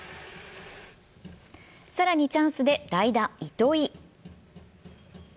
更にチャンスで代打・糸井。